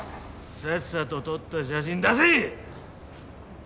さっさと撮った写真出せ！